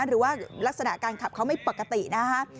หรือว่าลักษณะการขับเขาไม่ปกตินะฮะ